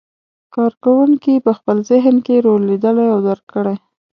کار کوونکي په خپل ذهن کې رول لیدلی او درک کړی.